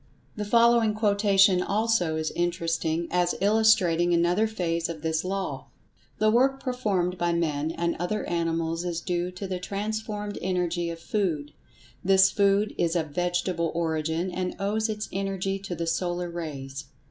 The following quotation, also, is interesting as illustrating another phase of this law: "The work performed by men and other animals is due to the transformed energy of food. This food is of vegetable origin and owes its energy to the solar rays.